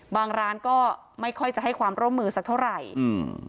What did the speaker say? บางร้านก็ไม่ค่อยจะให้ความร่วมมือสักเท่าไหร่อืม